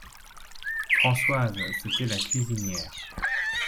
Françoise, c'était la cuisinière.